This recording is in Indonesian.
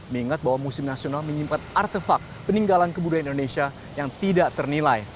mengingat bahwa museum nasional menyimpan artefak peninggalan kebudayaan indonesia yang tidak ternilai